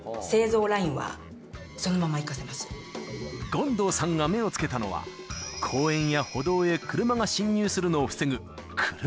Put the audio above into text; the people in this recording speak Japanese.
［権藤さんが目を付けたのは公園や歩道へ車が進入するのを防ぐ］